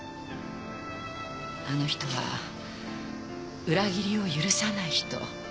あの人は裏切りを許さない人。